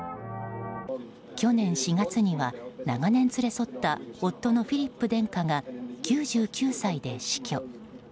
去年４月には長年連れ添った夫のフィリップ殿下が９９歳で死去。